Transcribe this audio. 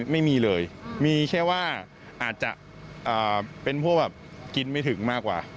ไม่มีเลยมีแค่ว่าอาจจะเป็นพวกแบบกินไม่ถึงมากกว่า